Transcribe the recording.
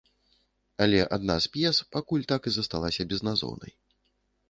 Але адна з п'ес пакуль так і засталася безназоўнай.